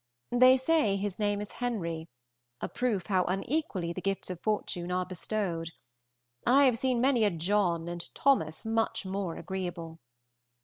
They say his name is Henry, a proof how unequally the gifts of fortune are bestowed. I have seen many a John and Thomas much more agreeable.